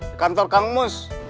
di kantor kamus